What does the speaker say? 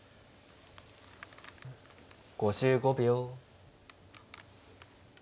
５５秒。